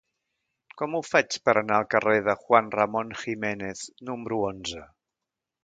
Com ho faig per anar al carrer de Juan Ramón Jiménez número onze?